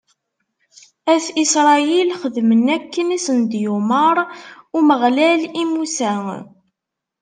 At Isṛayil xedmen akken i s-d-yumeṛ Umeɣlal i Musa.